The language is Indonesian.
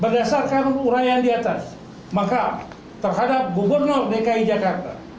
berdasarkan uraian di atas maka terhadap gubernur dki jakarta